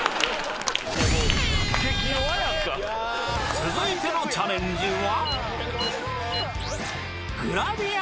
続いてのチャレンジは？